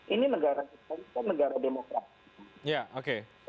ini negara kita ini kan negara demokrasi